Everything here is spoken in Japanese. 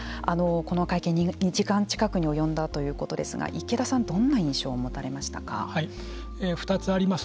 この会見２時間近くに及んだということですが池田さん２つあります。